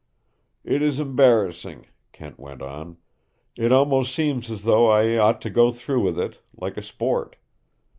"It is embarrassing," Kent went on. "It almost seems as though I ought to go through with it, like a sport.